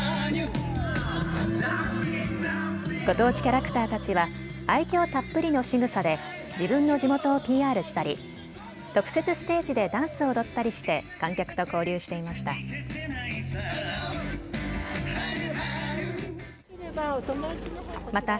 ご当地キャラクターたちは愛きょうたっぷりのしぐさで自分の地元をＰＲしたり特設ステージでダンスを踊ったりして観客と交流していました。